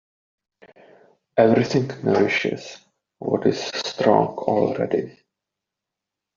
Everything nourishes what is strong already.